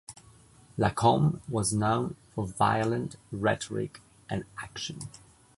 Lacombe was known for violent rhetoric and action.